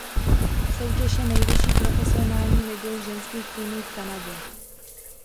Soutěž je nejvyšší profesionální ligou ženských týmů v Kanadě.